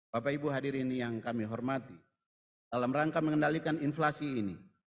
bapak ibu hadirin yang kami hormati dalam rangka mengendalikan inflasi ini